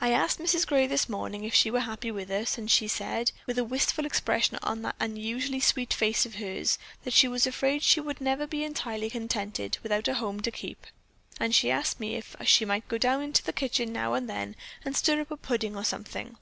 I asked Mrs. Gray this morning if she were happy with us, and she said, with a wistful expression on that unusually sweet face of hers, that she was afraid she never would be entirely contented without a home to keep, and she asked me if she might go down in the kitchen now and then and stir up a pudding or something.